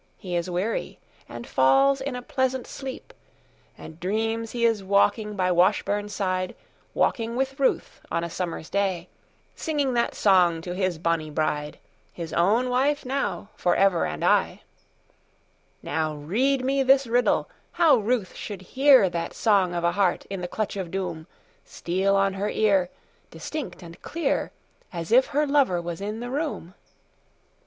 He is weary and falls in a pleasant sleep, And dreams he is walking by Washburn side, Walking with Ruth on a summer's day, Singing that song to his bonnie bride, His own wife now forever and aye. Now read me this riddle, how Ruth should hearThat song of a heart in the clutch of doomSteal on her ear, distinct and clearAs if her lover was in the room.